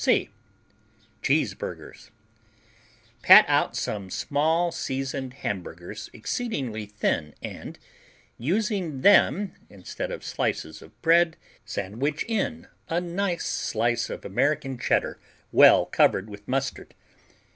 C Cheeseburgers Pat out some small seasoned hamburgers exceedingly thin and, using them instead of slices of bread, sandwich in a nice slice of American Cheddar well covered with mustard.